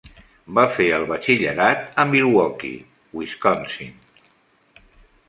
Va fer el batxillerat a Milwaukee, Wisconsin.